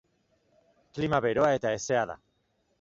Klima beroa eta hezea da.